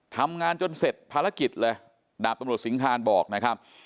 ทำงานจนเสร็จภารกิจเลยดาบตำรวจสิงคารบอกนะครับ